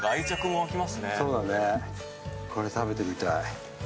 これ食べてみたい。